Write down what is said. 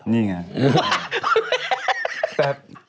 นี่ไง